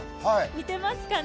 似てますかね？